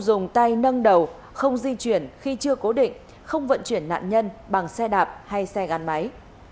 dùng tay nâng đầu không di chuyển khi chưa cố định không vận chuyển nạn nhân bằng xe đạp hay xe gắn máy